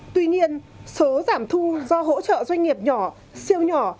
tuy nhiên số giảm thu do hỗ trợ doanh nghiệp nhỏ siêu nhỏ